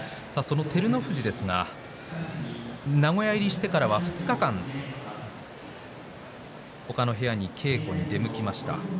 照ノ富士ですが名古屋入りしてからは２日間他の部屋に稽古に出向きました。